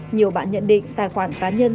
nhiều bạn nhận định tài khoản cá nhân